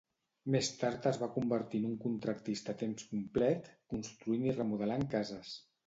Més tard es va convertir en un contractista a temps complet, construint i remodelant cases.